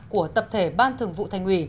của tập thể ban thường vụ thành ủy